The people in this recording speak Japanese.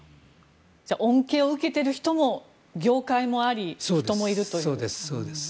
恩恵を受けている業界もあり人もいるという。